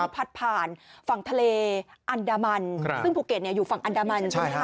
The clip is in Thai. พัดผ่านฝั่งทะเลอันดามันซึ่งภูเก็ตอยู่ฝั่งอันดามันใช่ไหมคะ